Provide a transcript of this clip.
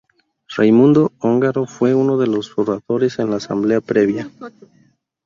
Raimundo Ongaro fue uno de los oradores en la asamblea previa.